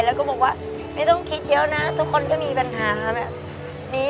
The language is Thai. แล้วก็บอกว่าไม่ต้องคิดเยอะนะทุกคนก็มีปัญหาค่ะแบบนี้